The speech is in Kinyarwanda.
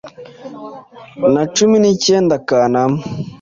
na cumi nikenda Kanama